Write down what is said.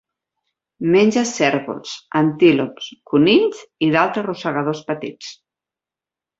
Menja cérvols, antílops, conills i d'altres rosegadors petits.